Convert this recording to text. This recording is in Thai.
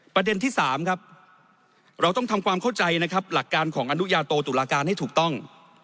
ประเด็นที่๓ครับเราต้องทำความเข้าใจนะครับหลักการของอนุญาโตตุลาการให้ถูกต้อง